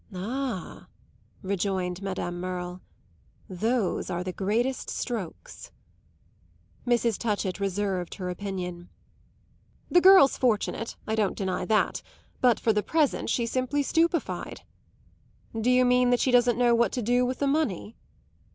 "Ah," rejoined Madame Merle, "those are the greatest strokes!" Mrs. Touchett reserved her opinion. "The girl's fortunate; I don't deny that. But for the present she's simply stupefied." "Do you mean that she doesn't know what to do with the money?"